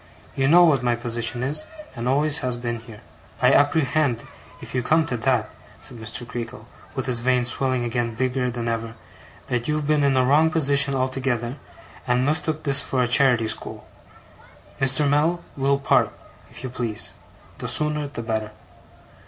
'You know what my position is, and always has been, here.' 'I apprehend, if you come to that,' said Mr. Creakle, with his veins swelling again bigger than ever, 'that you've been in a wrong position altogether, and mistook this for a charity school. Mr. Mell, we'll part, if you please. The sooner the better.